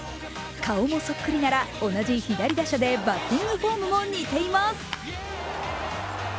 顔もそっくりなら、同じ左打者でバッティングフォームも似ています。